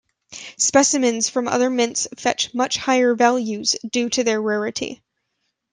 Specimens from other mints fetch much higher values due to their rarity.